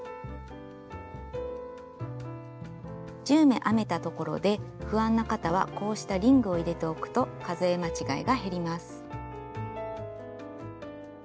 １０目編めたところで不安な方はこうしたリングを入れておくと数え間違いが減ります。